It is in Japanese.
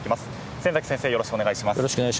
先崎先生、よろしくお願いします。